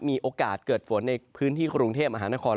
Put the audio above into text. มีโอกาสเกิดฝนในพื้นที่กรุงเทพมหานคร